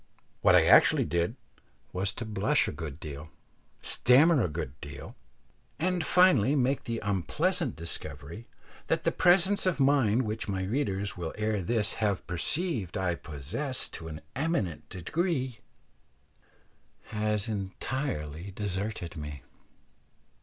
What I actually did was to blush a good deal, stammer a good deal, and finally make the unpleasant discovery that that presence of mind which my readers will ere this have perceived I possess to an eminent degree, had entirely deserted me.